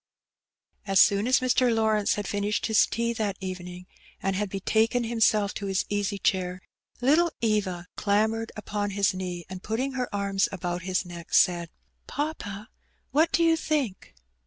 As soon as Mr. Lawrence had finished his tea that evening, and had betaken himself to his easy chair, little Eva clam bered upon his knee, and, putting her arms about his neck, said— ''Papa, what do you think?"